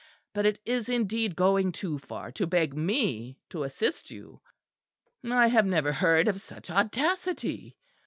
But it is indeed going too far to beg me to assist you. I have never heard of such audacity!"